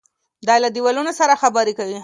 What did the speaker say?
دی له دیوالونو سره خبرې کوي.